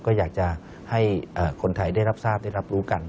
ก็อยากจะให้คนไทยได้รับทราบได้รับรู้กัน